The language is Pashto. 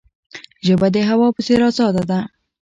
ژبه د هوا په څیر آزاده ده.